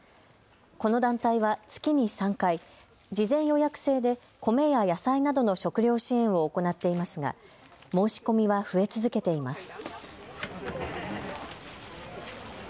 この団体は月に３回、事前予約制で米や野菜などの食料支援を行っていますが申し込みは増え続けています。